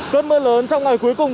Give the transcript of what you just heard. tết mưa lớn trong ngày cuối cùng